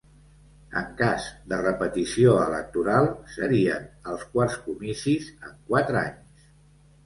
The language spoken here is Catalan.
En cas de repetició electoral, serien els quarts comicis en quatre anys.